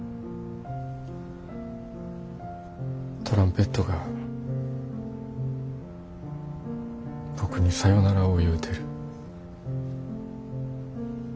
トランペットが僕にさよならを言うてる。